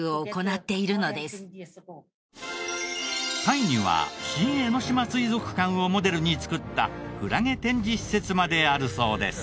タイには新江ノ島水族館をモデルに造ったクラゲ展示施設まであるそうです。